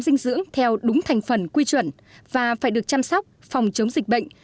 dinh dưỡng theo đúng thành phần quy chuẩn và phải được chăm sóc phòng chống dịch bệnh